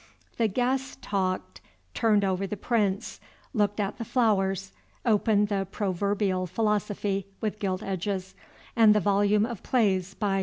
The guests talked, turned over the prints, looked at the flowers, opened the "Proverbial Philosophy" with gilt edges, and the volume of Plays by W.